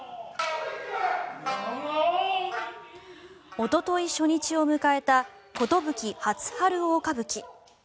おととい、初日を迎えた「壽初春大歌舞伎」。